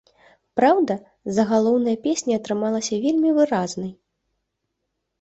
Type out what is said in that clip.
Праўда, загалоўная песня атрымалася вельмі выразнай.